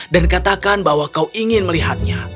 dan katakan bahwa kau ingin melihatnya